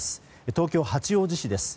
東京・八王子です。